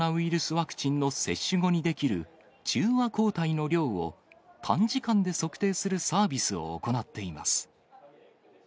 ワクチンの接種後に出来る中和抗体の量を、短時間で測定するサービスを行っています。